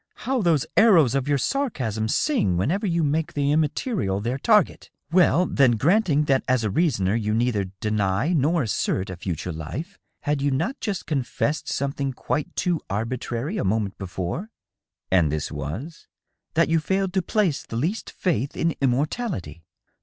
" How those arrows of your sarcasm sing whenever you make the immaterial their target! .. Well, then, granting that as a reasoner you neither deny nor assert a future life, had you not just confessed something quite too arbitrary a moment before ?" "And this was ..?"That you failed to place the least faith in immortality."